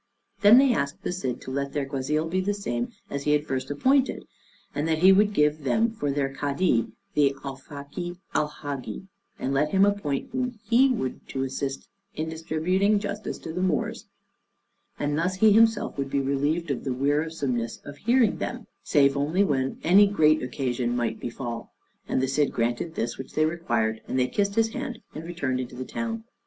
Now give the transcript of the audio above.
Then they asked the Cid to let their guazil be the same as he had first appointed, and that he would give them for their cadi the Alfaqui Alhagi, and let him appoint whom he would to assist him in distributing justice to the Moors; and thus he himself would be relieved of the wearisomeness of hearing them, save only when any great occasion might befall. And the Cid granted this which they required, and they kissed his hand, and returned into the town.